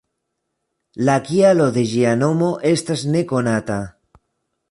La kialo de ĝia nomo estas nekonata.